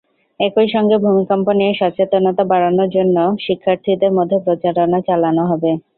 একই সঙ্গে ভূমিকম্প নিয়ে সচেতনতা বাড়ানোর জন্য শিক্ষার্থীদের মধ্যে প্রচারণা চালানো হবে।